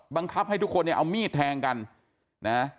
บังคับให้ทุกคนเนี่ยเอามีดแทงกันนะ